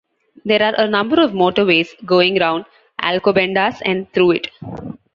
There are a number of motorways going round Alcobendas and through it.